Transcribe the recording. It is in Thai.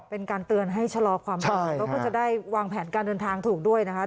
เป็นการเตือนให้ชะลอความสะดวกแล้วก็จะได้วางแผนการเดินทางถูกด้วยนะคะ